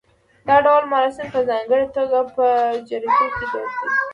دا ډول مراسم په ځانګړې توګه په جریکو کې دود و